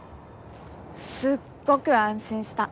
すっごく安心した。